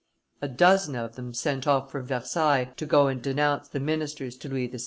A dozen of them set off for Versailles to go and denounce the ministers to Louis XVI.